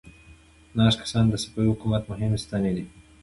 ناست کسان د صفوي حکومت مهمې ستنې دي.